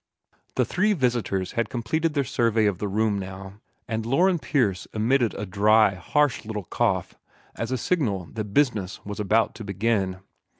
The three visitors had completed their survey of the room now; and Loren Pierce emitted a dry, harsh little cough, as a signal that business was about to begin.